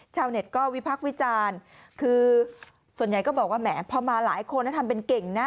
ชาวเน็ตก็วิพักษ์วิจารณ์คือส่วนใหญ่ก็บอกว่าแหมพอมาหลายคนทำเป็นเก่งนะ